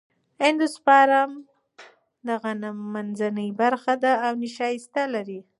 اندوسپرم د غنم منځنۍ برخه ده او نشایسته لري.